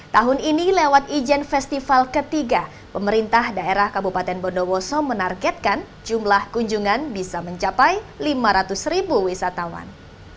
tahun ini lewat ijen festival ketiga pemerintah daerah kabupaten bondowoso menargetkan jumlah kunjungan bisa mencapai lima ratus ribu wisatawan